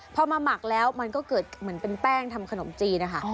พอมาหมักแล้วมันก็เกิดเหมือนเป็นแป้งทำขนมจีนนะคะ